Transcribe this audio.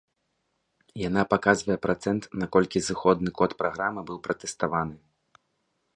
Яна паказвае працэнт, наколькі зыходны код праграмы быў пратэставаны.